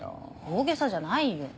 大げさじゃないよ。